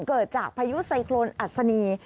เกิดจากพายุไซโครนอัศนี